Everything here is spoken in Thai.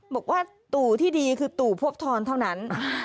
บอกว่าตู่ที่ดีคือตู่พวกทอนเท่านั้น